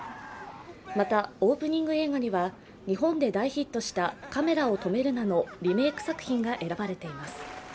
またオープニング映画には日本で大ヒットした「カメラを止めるな！」のリメーク作品が選ばれています。